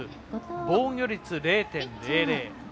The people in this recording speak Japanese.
防御率０．００。